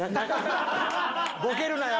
ボケるなよ。